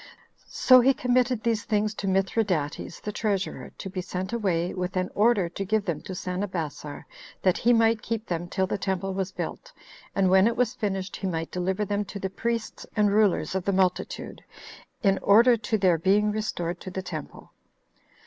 So he committed these things to Mithridates, the treasurer, to be sent away, with an order to give them to Sanabassar, that he might keep them till the temple was built; and when it was finished, he might deliver them to the priests and rulers of the multitude, in order to their being restored to the temple.